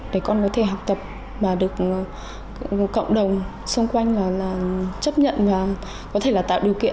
để con có thể học tập và được cộng đồng xung quanh là chấp nhận và có thể là tạo điều kiện